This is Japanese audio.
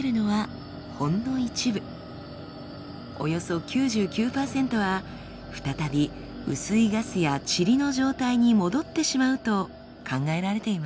およそ９９％は再び薄いガスや塵の状態に戻ってしまうと考えられています。